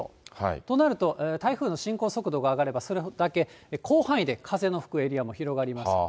となると、台風の進行速度が上がれば、それだけ広範囲で風の吹くエリアも広がります。